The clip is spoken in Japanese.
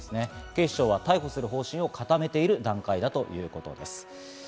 警視庁は逮捕する方針を固めている段階だということです。